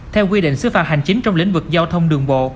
theo quy định xứ phạt hành chính trong lĩnh vực giao thông đường bộ